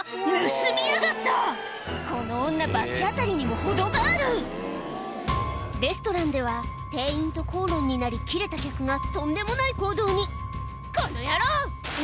盗みやがったこの女罰当たりにも程があるレストランでは店員と口論になりキレた客がとんでもない行動に「この野郎！」